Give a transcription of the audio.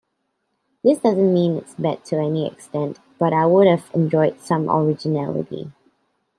This doesn't mean it's bad to any extent, but I would've enjoyed some originality.